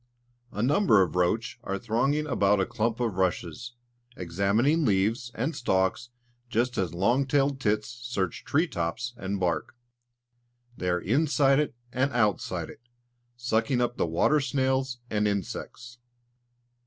A number of roach are thronging about a clump of rushes, examining leaves and stalks just as long tailed tits search tree tops and bark; they are inside it and outside it, sucking up the water snails and insects.